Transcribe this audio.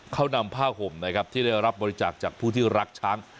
เขานำผ้าห่มนะครับที่ได้รับบริจาคจากผู้ที่รักช้าง